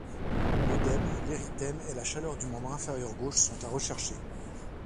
L'œdème, l'érythème et la chaleur du membre inférieur gauche sont à rechercher.